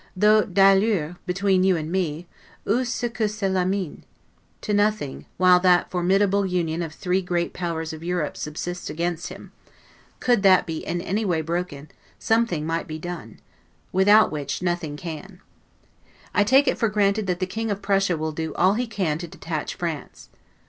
Though 'd'ailleurs', between you and me, 'ou est ce que cela mene'? To nothing, while that formidable union of three great Powers of Europe subsists against him, could that be any way broken, something might be done; without which nothing can. I take it for granted that the King of Prussia will do all he can to detach France.